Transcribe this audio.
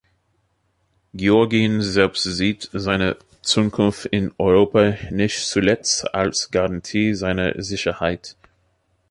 Georgien selbst sieht seine Zukunft in Europa, nicht zuletzt als Garantie seiner Sicherheit.